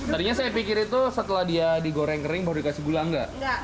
tadinya saya pikir itu setelah dia digoreng kering baru dikasih gula enggak